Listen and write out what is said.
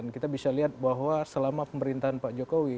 kita bisa lihat bahwa selama pemerintahan pak jokowi